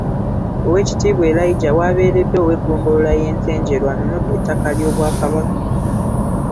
Oweekitiibwa Elijah w’abeeredde ow’eggombolola y’e Ntenjeru anunudde ettaka ly’Obwakabaka.